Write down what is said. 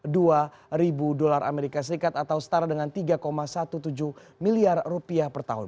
dua ribu dolar amerika serikat atau setara dengan tiga tujuh belas miliar rupiah per tahun